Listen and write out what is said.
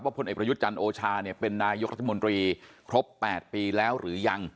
พลเอกประยุทธ์จันทร์โอชาเนี่ยเป็นนายกรัฐมนตรีครบ๘ปีแล้วหรือยัง